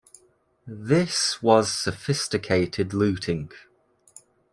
This was sophisticated looting.